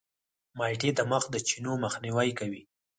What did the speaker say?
مالټې د مخ د چینو مخنیوی کوي.